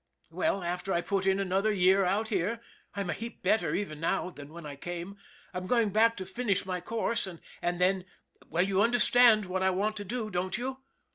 Well, after I put in another year out here I'm a heap better even now than when I came I'm going back to finish my course, and then well, you understand what I want to do, don't you